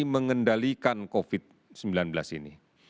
mengendalikan covid sembilan belas ini